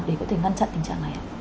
để có thể ngăn chặn tình trạng này